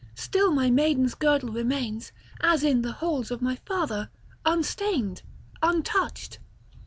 Still my maiden's girdle remains, as in the halls of my father, unstained, untouched.